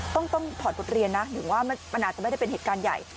ถอดบทเรียนนะถึงว่ามันอาจจะไม่ได้เป็นเหตุการณ์ใหญ่